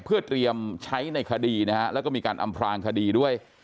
เพื่อเตรียมใช้ในคดีนะฮะแล้วก็มีการอำพลางคดีด้วย